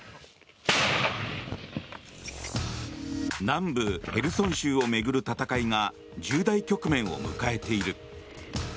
南部ヘルソン州を巡る戦いが重大局面を迎えている。